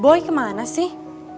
boy kemana sih